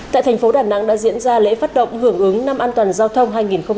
tại tp đà nẵng đã diễn ra lễ phát động hưởng ứng năm an toàn giao thông hai nghìn hai mươi ba